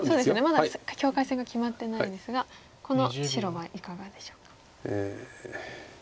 まだ境界線が決まってないですがこの白はいかがでしょうか？